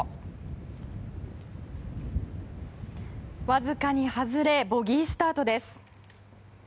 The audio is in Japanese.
わずかに外れボギースタートです。